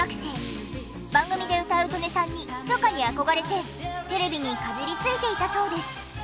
番組で歌う刀根さんにひそかに憧れてテレビにかじりついていたそうです。